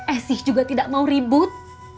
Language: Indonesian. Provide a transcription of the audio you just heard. esih juga tidak mau ribut